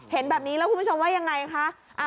เห็นแบบนี้แล้วคุณผู้ชมว่ายังไงคะ